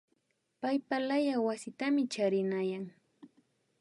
Paypalaya wasitami charinayan